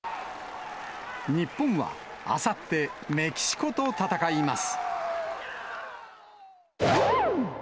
日本はあさってメキシコと戦います。